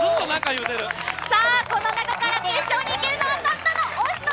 この中から決勝に行けるのはたったのお１人。